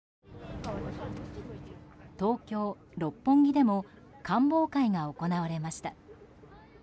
東京・六本木でも観望会が行われました。